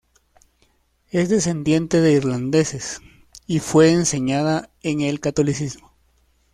Es descendiente de irlandeses, y fue enseñada en el Catolicismo.